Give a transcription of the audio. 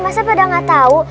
masa pada gak tahu